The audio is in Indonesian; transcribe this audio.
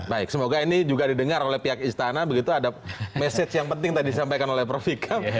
baik semoga ini juga didengar oleh pihak istana begitu ada message yang penting tadi disampaikan oleh prof vikam